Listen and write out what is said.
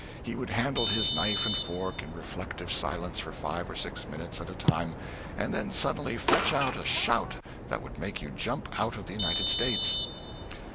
He would handle his knife and fork in reflective silence for five or six minutes at a time and then suddenly fetch out a shout that would make you jump out of the United States."